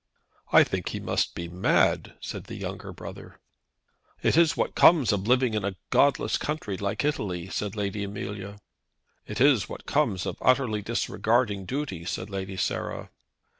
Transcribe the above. "I think he must be mad," said the younger brother. "It is what comes of living in a godless country like Italy," said Lady Amelia. "It is what comes of utterly disregarding duty," said Lady Sarah.